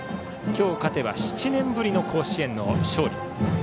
今日、勝てば７年ぶりの甲子園の勝利。